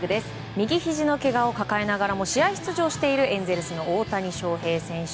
右ひじのけがを抱えながらも試合出場しているエンゼルスの大谷翔平選手。